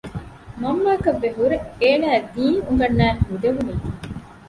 މަންމައަކަށްވެ ހުރެ އަނާއަށް ދީން އުނގަންނައި ނުދެވުނަތީ